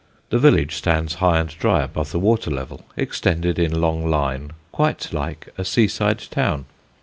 The village stands high and dry above the water level, extended in long line quite like a seaside town.